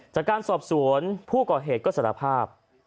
จากการสอบสวนผู้ก่อเหตุก็สารภาพ